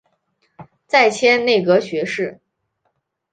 再迁内阁学士。